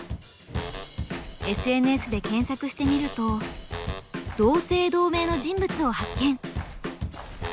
ＳＮＳで検索してみると同姓同名の人物を発見！